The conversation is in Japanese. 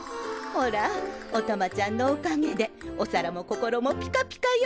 ほらおたまちゃんのおかげでお皿も心もピカピカよ！